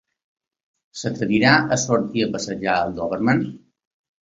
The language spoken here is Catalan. S'atrevirà a sortir a passejar el dòberman.